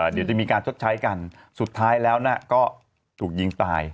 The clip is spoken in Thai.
เดี๋ยวจะมีการชดใช้กันสุดท้ายแล้วก็ถูกยิงตาย